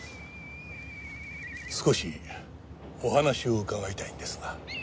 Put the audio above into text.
少しお話を伺いたいんですが。